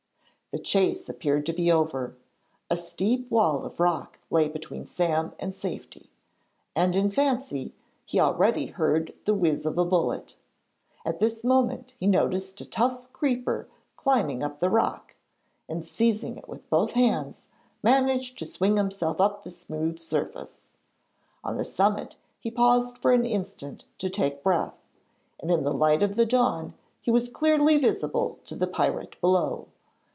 The chase appeared to be over; a steep wall of rock lay between Sam and safety, and in fancy he already heard the whiz of a bullet. At this moment he noticed a tough creeper climbing up the rock, and, seizing it with both hands, managed to swing himself up the smooth surface. On the summit he paused for an instant to take breath, and in the light of the dawn he was clearly visible to the pirate below.